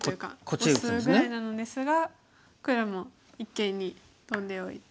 オスぐらいなのですが黒も一間にトンでおいて。